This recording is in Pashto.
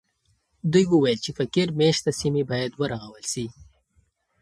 دوی وویل چې فقیر مېشته سیمې باید ورغول سي.